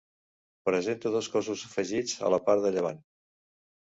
Presenta dos cossos afegits a la part de llevant.